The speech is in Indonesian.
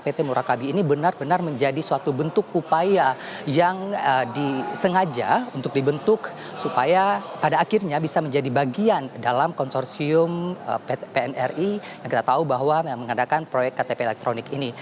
pt murakabi ini benar benar menjadi suatu bentuk upaya yang disengaja untuk dibentuk supaya pada akhirnya bisa menjadi bagian dalam konsorsium pnri yang kita tahu bahwa mengadakan proyek ktp elektronik ini